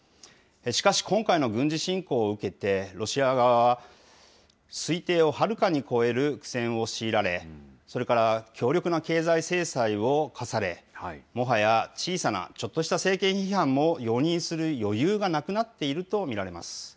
しかし、今回の軍事侵攻を受けて、ロシア側は、推定をはるかに超える苦戦を強いられ、それから強力な経済制裁を科され、もはや、小さなちょっとした政権批判も容認する余裕がなくなっていると見られます。